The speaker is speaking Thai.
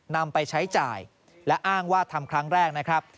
นำไปใช้จ่ายและอ้างว่าทำครั้งแรกนะครับ